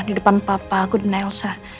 di depan papa aku dan elsa